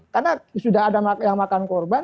karena sudah ada yang makan korban